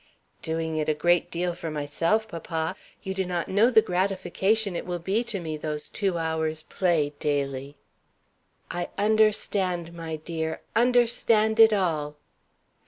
"Doing it a great deal for myself, papa. You do not know the gratification it will be to me, those two hours' play daily!" "I understand, my dear understand it all!"